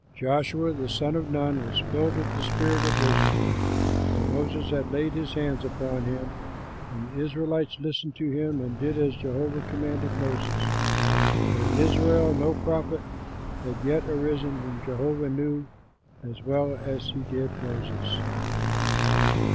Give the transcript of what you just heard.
Joshua the son of Nun was filled with the spirit of wisdom, for Moses had laid his hands upon him; and the Israelites listened to him and did as Jehovah commanded Moses. But in Israel no prophet had yet arisen whom Jehovah knew as well as he did Moses.